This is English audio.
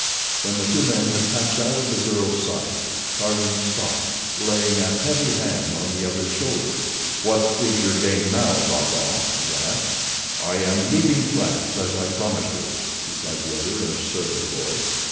When the two men had passed out of the girl's sight, Tarzan stopped, laying a heavy hand on the other's shoulder. "What is your game now, Rokoff?" he asked. "I am leaving France as I promised you," replied the other, in a surly voice.